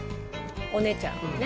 お姉ちゃんにね。